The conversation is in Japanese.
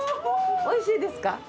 おいしいですか？